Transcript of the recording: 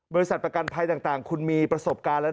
บริษัทประกันภัยต่างคุณมีประสบการณ์แล้ว